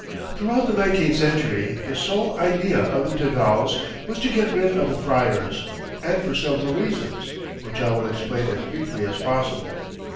Throughout the nineteenth century the sole idea of the Tagals was to get rid of the friars, and for several reasons, which I will explain as briefly as possible.